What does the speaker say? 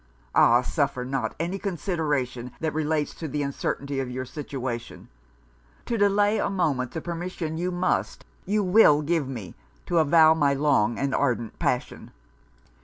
Ah! suffer not any consideration that relates to the uncertainty of your situation, to delay a moment the permission you must, you will give me, to avow my long and ardent passion.'